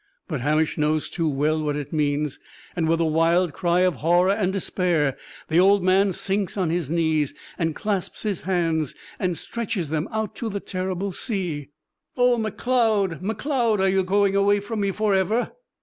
But Hamish knows too well what it means; and with a wild cry of horror and despair, the old man sinks on his knees and clasps his hands, and stretches them out to the terrible sea. "O, Macleod, Macleod! are you going away from me forever?